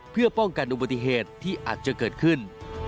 เพื่อป้องกันอุบัติเหตุที่อาจจะเกิดขึ้น